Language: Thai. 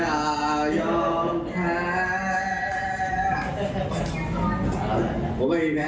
มาสร้างนี้นานที่จะไม่ยอมแพ้